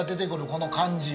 この感じ。